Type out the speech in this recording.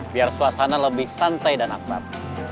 biar suasana lebih santai dan akbar